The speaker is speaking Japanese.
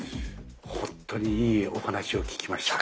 本当にいいお話を聞きました。